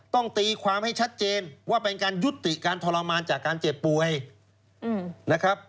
ตีความให้ชัดเจนว่าเป็นการยุติการทรมานจากการเจ็บป่วยนะครับ